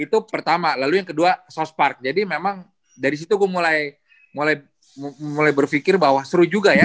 itu pertama lalu yang kedua south park jadi memang dari situ gue mulai berfikir bahwa seru juga ya